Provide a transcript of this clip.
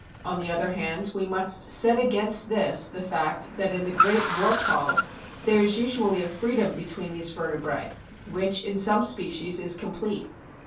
On the other hand, we must set against this the fact that in the great Rorquals there is usually a freedom between these vertebrae, which, in some species, is complete.